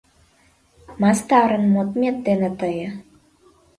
Мастарын модмет дене тые